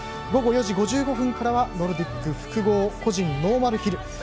午後４時５５分からはノルディック複合個人ノーマルヒル